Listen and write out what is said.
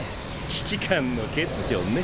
危機感の欠如ね。